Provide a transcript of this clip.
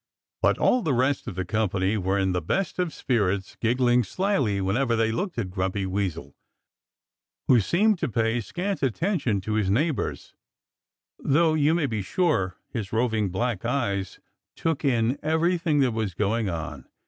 But all the rest of the company were in the best of spirits, giggling slyly whenever they looked at Grumpy Weasel, who seemed to pay scant heed to his neighbors, though you may be sure his roving black eyes took in everything that was going on.